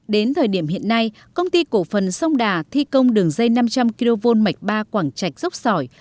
đến thời điểm hiện nay công ty cổ phần sông đà thi công đường dây năm trăm linh kv mạch ba quảng trạch dốc sỏi